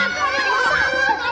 kakak ini udah selesai